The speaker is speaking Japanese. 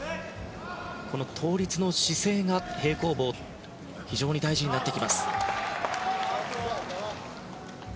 この倒立の姿勢が平行棒、非常に大事になります。